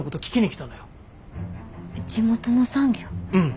うん。